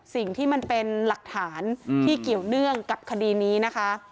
สิ่งที่มันเป็นหลักฐานที่เกี่ยวเนื่องกับคดีนี้นะคะ